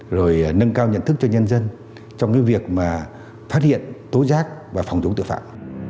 rồi nâng cao nhận thức cho nhân dân trong việc phát hiện tố giác và phòng chống tội phạm